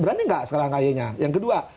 berani gak sekarang kay nya yang kedua